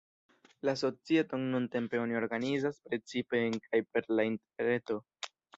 La societon nuntempe oni organizas precipe en kaj per la interreto.